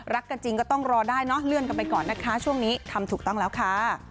กันจริงก็ต้องรอได้เนอะเลื่อนกันไปก่อนนะคะช่วงนี้ทำถูกต้องแล้วค่ะ